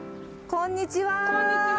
こんにちは。